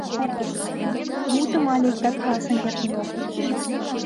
Но раш: мутым але иктат каласен кертын огыл.